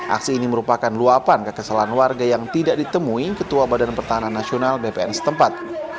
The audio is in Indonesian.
aksi ini merupakan luapan kekesalan warga yang tidak ditemui ketua badan pertahanan nasional bpn setempat